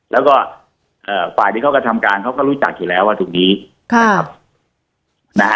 แล้วก็เอ่อฝ่ายที่เขาก็ทำการเขาก็รู้จักอยู่แล้วว่าถุงนี้ค่ะนะฮะ